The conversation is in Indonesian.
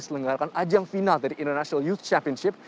selenggarakan ajang final dari international youth championship